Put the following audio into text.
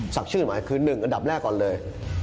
ชื่อหมายคือ๑อันดับแรกก่อนเลย